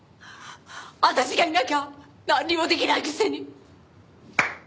私がいなきゃなんにもできないくせに！